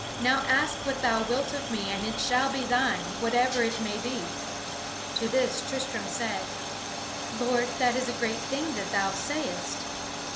Now ask what thou wilt of me, and it shall be thine, whatever it may be." To this Tristram said, "Lord, that is a great thing that thou sayest."